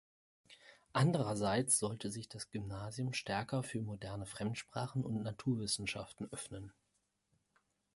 Andererseits sollte sich das Gymnasium stärker für moderne Fremdsprachen und Naturwissenschaften öffnen.